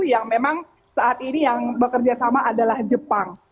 yang memang saat ini yang bekerja sama adalah jepang